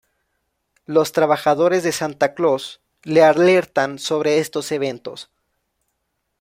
Los trabajadores de Santa Claus le alertan sobre estos eventos.